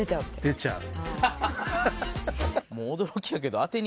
出ちゃう。